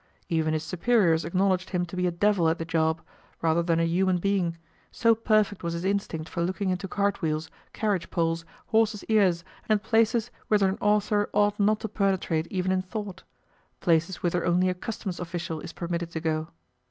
Even his superiors acknowledged him to be a devil at the job, rather than a human being, so perfect was his instinct for looking into cart wheels, carriage poles, horses' ears, and places whither an author ought not to penetrate even in thought places whither only a Customs official is permitted to go.